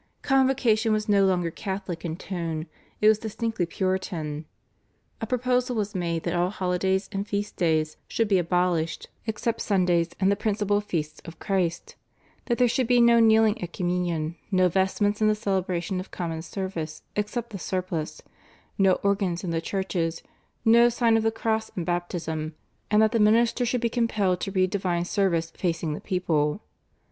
Convocation was no longer Catholic in tone. It was distinctly Puritan. A proposal was made that all holidays and feasts should be abolished except Sundays and "the principal feasts of Christ," that there should be no kneeling at Communion, no vestments in the celebration of Common Service except the surplice, no organs in the churches, no sign of the cross in baptism, and that the minister should be compelled to read divine service facing the people.